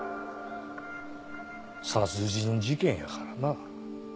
殺人事件やからな。